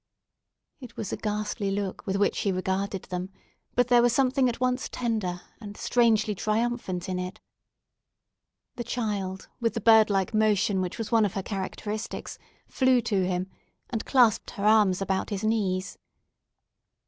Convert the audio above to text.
It was a ghastly look with which he regarded them; but there was something at once tender and strangely triumphant in it. The child, with the bird like motion, which was one of her characteristics, flew to him, and clasped her arms about his knees.